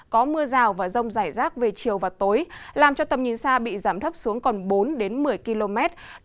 có mưa rào và rông rải rác về chiều và tối làm cho tầm nhìn xa bị giảm thấp xuống còn bốn một mươi km